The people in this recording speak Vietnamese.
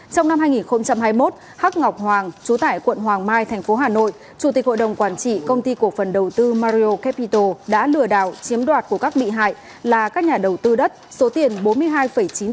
trong năm hai nghìn hai mươi một hắc ngọc hoàng trú tại quận hoàng mai thành phố hà nội chủ tịch hội đồng quản trị công ty cổ phần đầu tư mario capital đã lừa đảo chiếm đoạt của các bị hại là các nhà đầu tư đất số tiền bốn mươi hai chín tỷ đồng